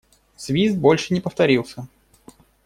Свист больше не повторился.